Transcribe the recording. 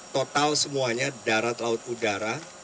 total semuanya darat laut udara